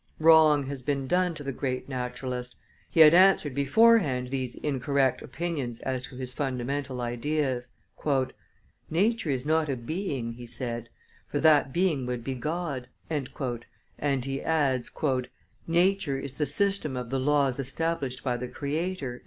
Wrong has been done the great naturalist; he had answered beforehand these incorrect opinions as to his fundamental ideas. "Nature is not a being," he said; "for that being would be God;" and he adds, "Nature is the system of the laws established by the Creator."